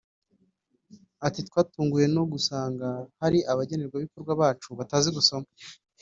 Ati “Twatunguwe no gusanga hari abagenerwa bikorwa bacu batazi gusoma